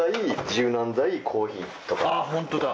あっホントだ。